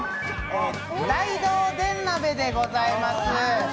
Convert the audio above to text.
大同電鍋でございます。